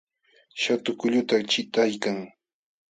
Shatu kulluta chiqtaykan